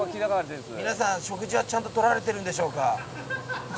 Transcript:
皆さん、食事はちゃんととられてるんでしょうか。